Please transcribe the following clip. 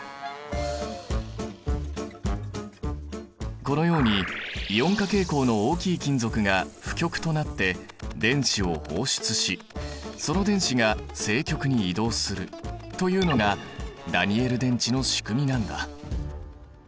このようにイオン化傾向の大きい金属が負極となって電子を放出しその電子が正極に移動するというのがダニエル電池のしくみなんだ。